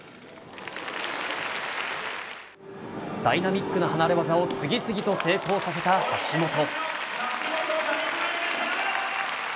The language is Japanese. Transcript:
ダイナミックな離れ技を次々と成功させた橋本。